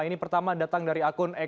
ini pertama datang dari akun eka gumilars